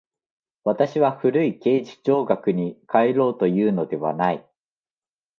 私は古い形而上学に還ろうというのではない。